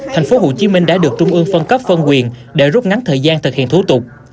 tp hcm đã được trung ương phân cấp phân quyền để rút ngắn thời gian thực hiện thủ tục